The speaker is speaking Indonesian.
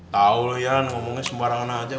tau lu ian ngomongnya sembarangan aja